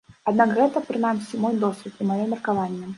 Аднак гэта, прынамсі, мой досвед і маё меркаванне.